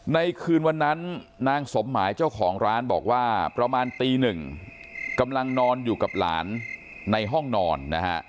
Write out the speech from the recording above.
ในคืนวันนั้นนางสมหมายเจ้าของร้านบอกว่าประมาณตีหนึ่งกำลังนอนอยู่กับหลานในห้องนอนนะฮะ